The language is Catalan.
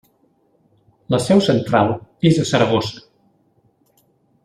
La seu central és a Saragossa.